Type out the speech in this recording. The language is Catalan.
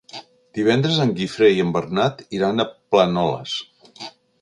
Divendres en Guifré i en Bernat iran a Planoles.